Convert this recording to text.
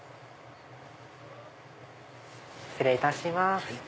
失礼いたします。